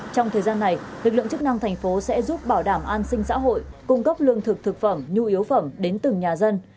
trong thời gian này lực lượng chức năng thành phố sẽ giúp bảo đảm an sinh xã hội cung cấp lương thực thực phẩm nhu yếu phẩm đến từng nhà dân